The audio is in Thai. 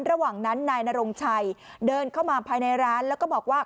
ระหว่างนั้นนายนรงชัยเดินเข้ามาภายในร้านแล้วก็บอกว่า